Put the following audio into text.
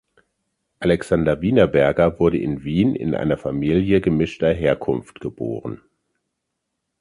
Alexander Wienerberger wurde in Wien in einer Familie gemischter Herkunft geboren.